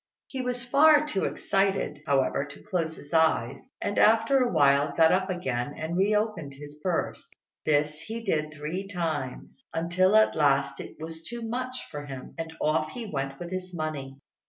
He was far too excited, however, to close his eyes; and after a while got up again and re opened his purse. This he did three times, until at last it was too much for him, and off he went with his money.